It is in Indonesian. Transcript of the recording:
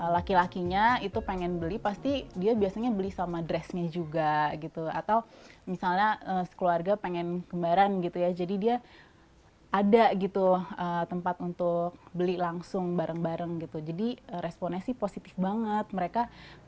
laki lakinya itu pengen beli pasti dia biasanya beli sama dressnya juga gitu atau misalnya sekeluarga pengen kembaran gitu ya jadi dia ada gitu tempat untuk beli langsung bareng bareng gitu jadi responnya sih positif banget mereka